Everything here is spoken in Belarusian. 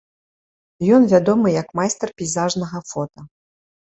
Ён вядомы як майстар пейзажнага фота.